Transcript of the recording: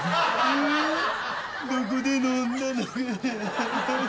どこで飲んだのかな？